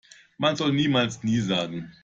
Man soll niemals nie sagen.